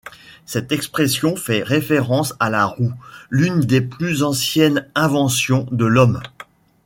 Cette expression fait référence à la roue, l'une des plus anciennes inventions de l'homme.